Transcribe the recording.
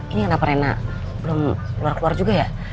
ini kenapa rena belum keluar keluar juga ya